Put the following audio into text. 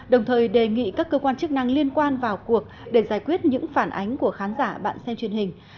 đồng thời đề nghị các cơ quan chức năng liên quan vào cuộc để giải quyết những phản ánh của khán giả bạn xem truyền hình